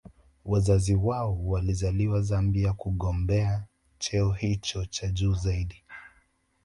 Wazazi wao walizaliwa Zambia kugombea cheo hicho cha juu zaidi